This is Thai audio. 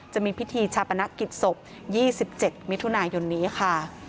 จะมีพิธีชาปนกิจศพ๒๗มิถุนายนนี้ค่ะ